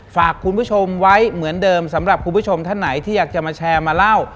ฝากคุณผู้ชมไว้เหมือนเดิมสำหรับคุณผู้ชมท่านไหนที่อยากจะมาแชร์มาเล่า